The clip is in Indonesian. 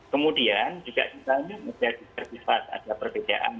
kemudian juga siswanya menjadi tertifas ada perbedaan antar daerah